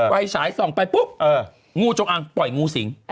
ไฟฉายส่องไปปุ๊บงูจงอังปล่อยงูสิง